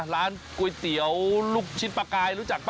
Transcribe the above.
ร้านก๋วยเตี๋ยวลูกชิ้นปลากายรู้จักป่